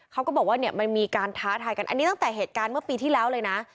เขาก็บอกว่าเนี่ยมันมีการท้าทายกันอันนี้ตั้งแต่เหตุการณ์เมื่อปีที่แล้วเลยนะ